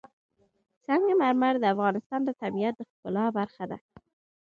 سنگ مرمر د افغانستان د طبیعت د ښکلا برخه ده.